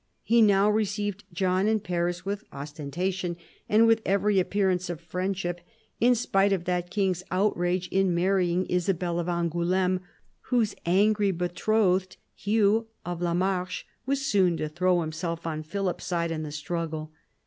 He now received John in Paris with ostentation, and with every appearance of friendship, in spite of that king's outrage in marrying Isabel of Angouleme, whose angry betrothed, Hugh of la Marche, was soon to throw himself on Philip's side in the struggle.